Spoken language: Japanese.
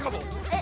え